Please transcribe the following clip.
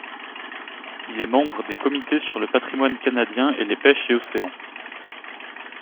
Il est membre des comités sur le patrimoine canadien et les pêches et océans.